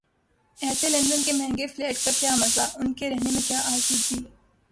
ایسے لندن کے مہنگے فلیٹ کا کیا مزہ، ان کے رہنے میں کیا آسودگی؟